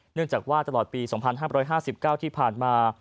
เนื่องจากว่าตลอดปี๒๕๕๙ที่ผ่านมา